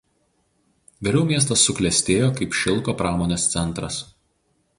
Vėliau miestas suklestėjo kaip šilko pramonės centras.